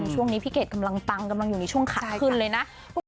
ช่วงนี้พี่เกดกำลังปังกำลังอยู่ในช่วงขาขึ้นเลยนะ